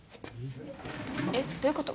えっどういうこと？